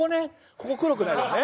ここ黒くなるよね。